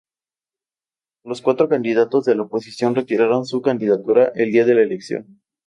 Los cuatro candidatos de la oposición retiraron su candidatura el día de la elección.